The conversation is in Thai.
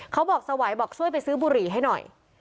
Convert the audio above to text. เขาบอกสวัยบอกช่วยไปซื้อบุหรี่ให้หน่อย